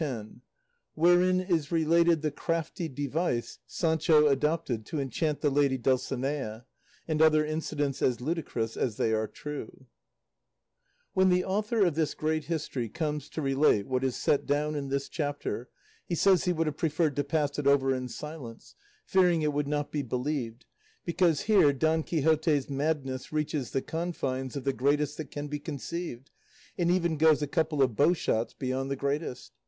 CHAPTER X. WHEREIN IS RELATED THE CRAFTY DEVICE SANCHO ADOPTED TO ENCHANT THE LADY DULCINEA, AND OTHER INCIDENTS AS LUDICROUS AS THEY ARE TRUE When the author of this great history comes to relate what is set down in this chapter he says he would have preferred to pass it over in silence, fearing it would not be believed, because here Don Quixote's madness reaches the confines of the greatest that can be conceived, and even goes a couple of bowshots beyond the greatest.